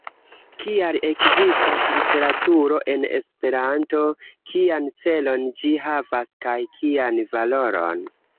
kial ekzistas literaturo en Esperanto, kian celon ĝi havas kaj kian valoron.